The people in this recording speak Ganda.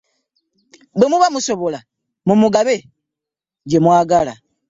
Bwe muba musobola mumugabe gye mwagala.